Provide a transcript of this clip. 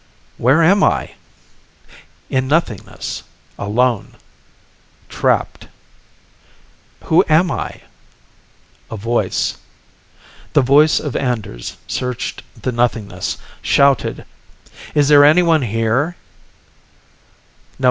"Where am I?" In nothingness. Alone. Trapped. "Who am I?" A voice. The voice of Anders searched the nothingness, shouted, "Is there anyone here?"